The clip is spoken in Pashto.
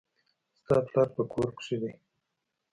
ستا پلار په کور کښي دئ.